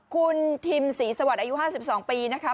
คุณทิมศรีสวัสดิ์อายุ๕๒ปีนะคะ